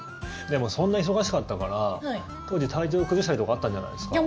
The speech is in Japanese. でもそんな忙しかったから当時、体調崩したりとかあったんじゃないですか？